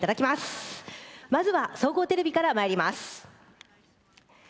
まずは総合テレビからまいります。